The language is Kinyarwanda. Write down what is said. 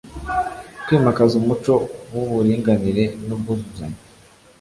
kwimakaza umuco w’uburinganire n’ubwuzuzanye